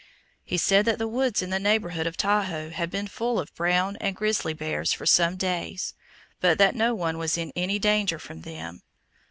He said that the woods in the neighborhood of Tahoe had been full of brown and grizzly bears for some days, but that no one was in any danger from them.